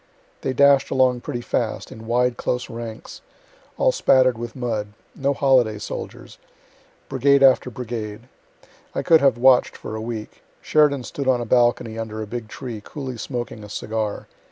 They dash'd along pretty fast, in wide close ranks, all spatter'd with mud; no holiday soldiers; brigade after brigade. I could have watch'd for a week. Sheridan stood on a balcony, under a big tree, coolly smoking a cigar.